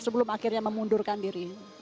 sebelum akhirnya memundurkan diri